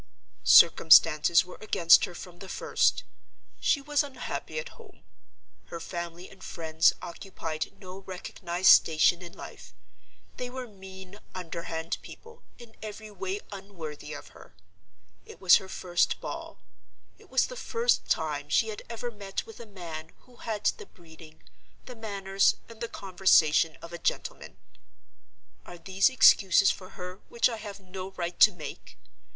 "Circumstances were against her from the first. She was unhappy at home. Her family and friends occupied no recognized station in life: they were mean, underhand people, in every way unworthy of her. It was her first ball—it was the first time she had ever met with a man who had the breeding, the manners and the conversation of a gentleman. Are these excuses for her, which I have no right to make?